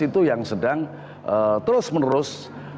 itu yang sedang terus menerus